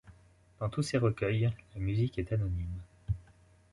Dans tous ces recueils, la musique est anonyme.